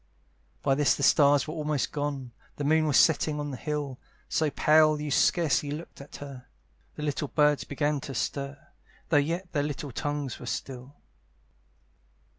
By this the stars were almost gone, The moon was setting on the hill, So pale you scarcely looked at her: The little birds began to stir, Though yet their tongues were still.